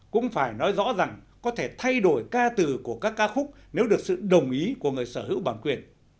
cũng phải nói rõ rằng có thể thay đổi ca từ của các ca khúc nếu được sự đồng ý của người sở hữu bản quyền